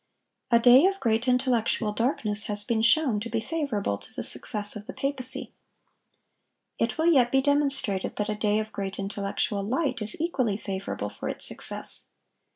A day of great intellectual darkness has been shown to be favorable to the success of the papacy. It will yet be demonstrated that a day of great intellectual light is equally favorable for its success.